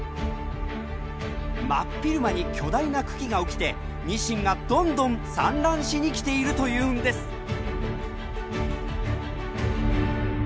真っ昼間に巨大な群来が起きてニシンがどんどん産卵しに来ているというんです！